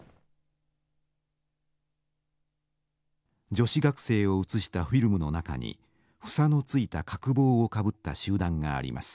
女子学生を写したフィルムの中に房のついた角帽をかぶった集団があります。